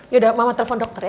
yaudah mama telpon dokter ya